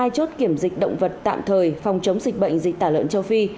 hai chốt kiểm dịch động vật tạm thời phòng chống dịch bệnh dịch tả lợn châu phi